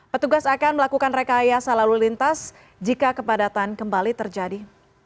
petugas akan melakukan rekayasa lalu lintas jika kepadatan kembali terjadi